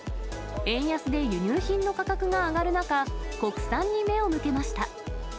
円安で輸入品の価格が上がる中、国産に目を向けました。